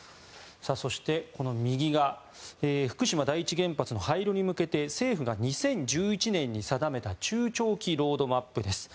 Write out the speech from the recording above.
そしてこの右が福島第一原発の廃炉に向けて政府が２０１１年に定めた中長期ロードマップです。